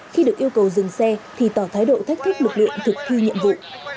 khi được yêu cầu dừng xe thì tỏ thái độ thách thức lực lượng thực thi nhiệm vụ